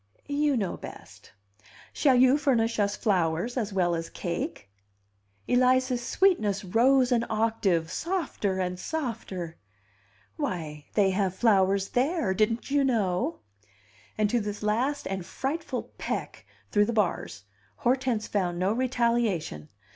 "You know best. Shall you furnish us flowers as well as cake?" Eliza's sweetness rose an octave, softer and softer. "Why, they have flowers there! Didn't you know?" And to this last and frightful peck through the bars Hortense found no retaliation.